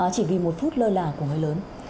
chỉ vì một phút lơ là của người lớn